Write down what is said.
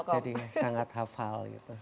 jadi sangat hafal